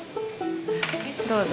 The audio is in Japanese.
どうぞ。